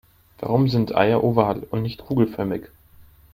Warum sind Eier oval und nicht kugelförmig?